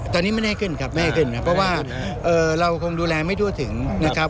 ตอนนี้ไม่ได้ขึ้นครับแน่ขึ้นครับเพราะว่าเราคงดูแลไม่ทั่วถึงนะครับ